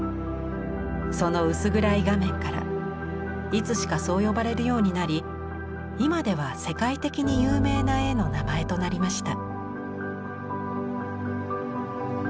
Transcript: その薄暗い画面からいつしかそう呼ばれるようになり今では世界的に有名な絵の名前となりました。